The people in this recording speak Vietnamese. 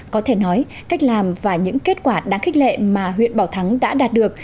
có thể nói cách làm và những kết quả đáng khích lệ mà huyện bảo thắng đã đạt được